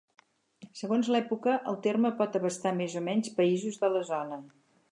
Segons l'època, el terme pot abastar més o menys països de la zona.